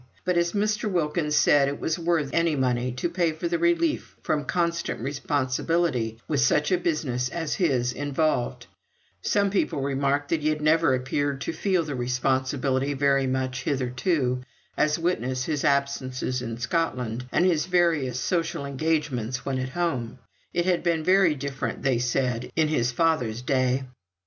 But, as Mr. Wilkins said it was worth any money to pay for the relief from constant responsibility which such a business as his involved, some people remarked that he had never appeared to feel the responsibility very much hitherto, as witness his absences in Scotland, and his various social engagements when at home; it had been very different (they said) in his father's day.